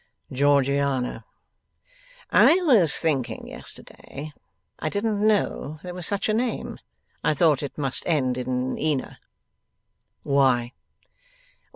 'Georgiana.' 'I was thinking yesterday, I didn't know there was such a name. I thought it must end in ina.' 'Why?